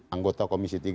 anggota komisi tiga